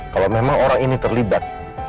kalau memang orang ini terlibat